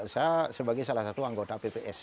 saya sebagai salah satu anggota pps